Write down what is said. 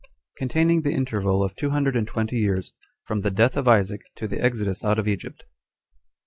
Containing The Interval Of Two Hundred And Twenty Years.From The Death Of Isaac To The Exodus Out Of Egypt.